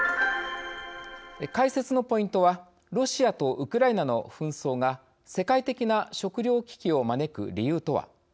解説のポイントはロシアとウクライナの紛争が世界的な食糧危機を招く理由とは。